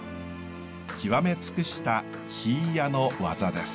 極め尽くした杼屋の技です。